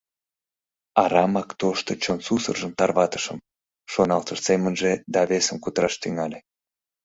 «Арамак тошто чон сусыржым тарватышым», — шоналтыш семынже да весым кутыраш тӱҥале: